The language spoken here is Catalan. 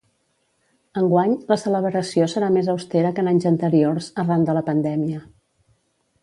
Enguany, la celebració serà més austera que en anys anteriors arran de la pandèmia.